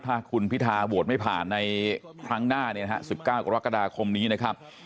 ถ้าคุณพิทาโหวตไม่ผ่านในครั้งหน้าเนี่ยนะฮะ๑๙กรกฎาคมนี้นะครับ